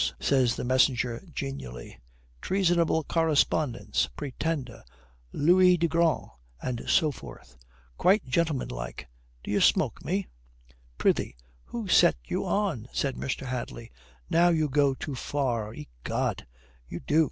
says the messenger genially. "Treasonable correspondence Pretender Lewis le Grand and so forth. Quite gentleman like, d'ye smoke me?" "Prithee, who set you on?" says Mr. Hadley. "Now you go too far, ecod, you do.